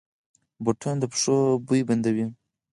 بوټونه د پښو بوی بندوي.